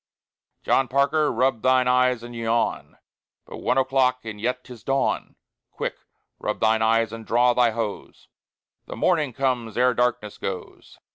John Parker! rub thine eyes and yawn, But one o'clock and yet 'tis Dawn! Quick, rub thine eyes and draw thy hose: The Morning comes ere darkness goes.